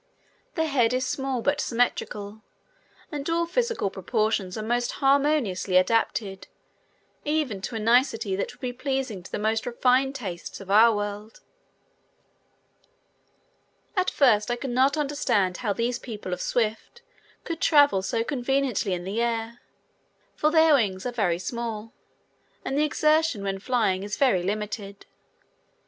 The head is small but symmetrical and all physical proportions are most harmoniously adapted even to a nicety that would be pleasing to the most refined tastes of our world. At first I could not understand how these people of Swift could travel so conveniently in the air, for their wings are very small and the exertion when flying is very limited.